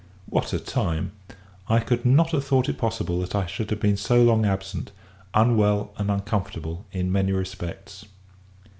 What a time! I could not have thought it possible that I should have been so long absent; unwell, and uncomfortable, in many respects.